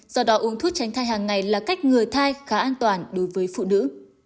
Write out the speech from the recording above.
do đó uống thuốc tránh thai hàng ngày là cách người thai khá an toàn đối với phụ nữ